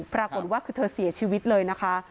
ปรากฏว่าคือเธอเสียชีวิตเลยนะคะ